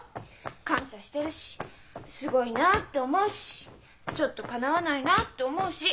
感謝してるしすごいなあって思うしちょっとかなわないなって思うし。